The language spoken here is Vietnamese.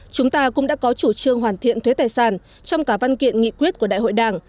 chúng ta cũng đã có chủ trương hoàn thiện thuế tài sản trong cả văn kiện nghị quyết của đại hội đảng